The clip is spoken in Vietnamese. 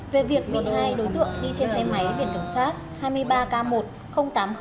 về việc một mươi hai đối tượng đi trên xe máy biển kiểm soát hai mươi ba k một tám nghìn ba mươi tám